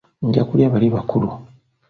Nja kulya bali abakulu